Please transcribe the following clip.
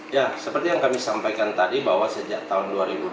ya seperti yang kami sampaikan tadi bahwa sejak tahun dua ribu dua puluh